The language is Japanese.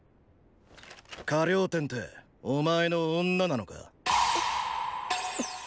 河了貂ってお前の女なのか？！